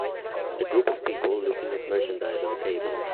A group of people looking at merchandise on a table.